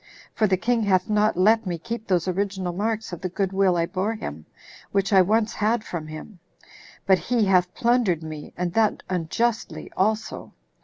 For the king hath not let me keep those original marks of the good will I bore him, which I once had from him; but he hath plundered me, and that unjustly also.